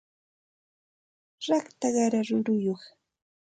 rakta qara ruruyuq